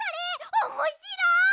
おもしろい！